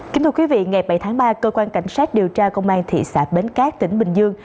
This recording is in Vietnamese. kính thưa quý vị ngày bảy tháng ba cơ quan cảnh sát điều tra công an thị xã bến cát tỉnh bình dương